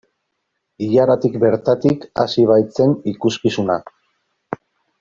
Ilaratik bertatik hasi baitzen ikuskizuna.